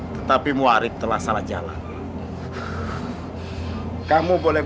jika kita bisa menang ketemu di n lag max